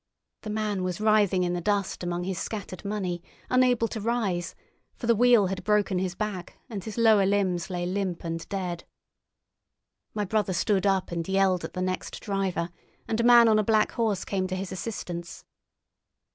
The man was writhing in the dust among his scattered money, unable to rise, for the wheel had broken his back, and his lower limbs lay limp and dead. My brother stood up and yelled at the next driver, and a man on a black horse came to his assistance.